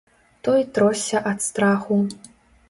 Той тросся ад страху.